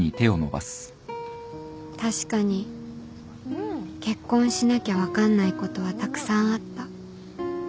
確かに結婚しなきゃ分かんないことはたくさんあった